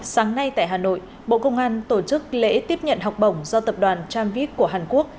sáng nay tại hà nội bộ công an tổ chức lễ tiếp nhận học bổng do tập đoàn tramvit của hàn quốc